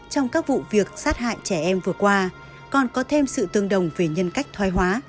trong các vụ việc sát hại trẻ em vừa qua còn có thêm sự tương đồng về nhân cách thoái hóa